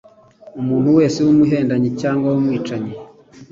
Umuntu wese w’umuhendanyi cyangwa w’umwicanyi